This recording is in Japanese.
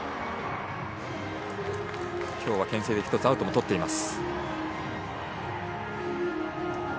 今日はけん制で１つアウトもとっています。